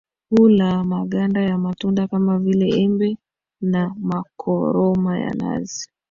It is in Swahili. Hula maganda ya matunda kama vile Embe na makoroma ya nazi